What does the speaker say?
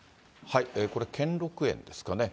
これ、兼六園ですかね。